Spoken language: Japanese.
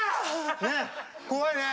ね怖いね。